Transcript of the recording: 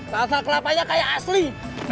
rasanya kelapanya kayak asli